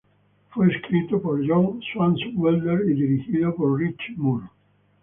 Fue escrito por John Swartzwelder y dirigido por Rich Moore.